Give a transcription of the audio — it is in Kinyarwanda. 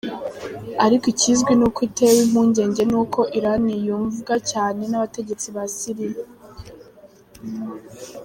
Ariko ikizwi ni uko itewe impungenge nuko Irani yumvwa cyane n'abategetsi ba Syria.